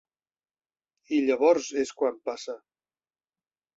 I llavors és quan passa.